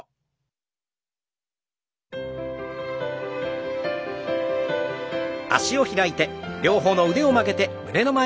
両方の腕を曲げて胸の前。